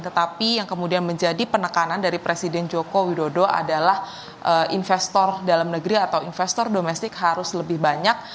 tetapi yang kemudian menjadi penekanan dari presiden joko widodo adalah investor dalam negeri atau investor domestik harus lebih banyak